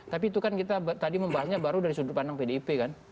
tapi itu kan kita tadi membahasnya baru dari sudut pandang pdip kan